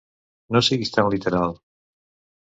No siguis tan literal.